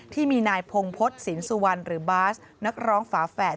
ที่มีนายพงพฤษศิลปสุวรรณหรือบาสนักร้องฝาแฝด